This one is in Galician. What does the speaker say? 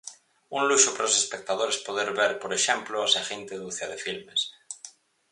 Un luxo para os espectadores poder ver, por exemplo, a seguinte ducia de filmes.